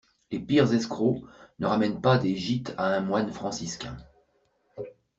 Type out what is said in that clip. Les pires escrocs ne ramènent pas des gîtes à un moine franciscain.